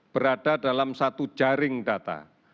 berada dalam satu jaring data